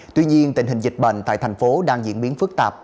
tuy nhiên tình hình dịch bệnh tại thành phố đang diễn biến phức tạp